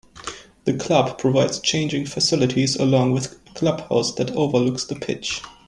The club provides changing facilities along with a clubhouse that overlooks the pitch.